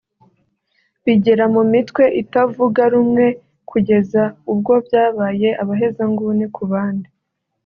bigera mu mitwe itavuga rumwe kugeza ubwo byabaye abahezanguni ku bandi